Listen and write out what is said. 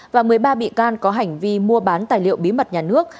và một mươi ba bị can có hành vi mua bán tài liệu bí mật nhà nước